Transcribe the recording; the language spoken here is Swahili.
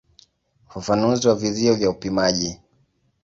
Ufafanuzi wa vizio vya upimaji.